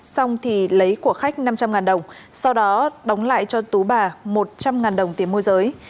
xong thì lấy của khách năm trăm linh đồng sau đó đóng lại cho tú bà một trăm linh đồng tiền môi giới